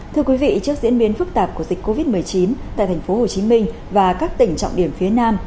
thưa quý vị trước diễn biến phức tạp của dịch covid một mươi chín tại tp hcm và các tỉnh trọng điểm phía nam